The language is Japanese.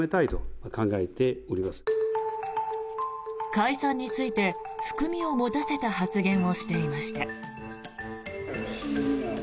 解散について含みを持たせた発言をしていました。